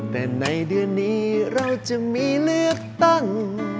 แต่ในเดือนนี้เราจะมีเลือกตั้ง